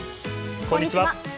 こんにちは。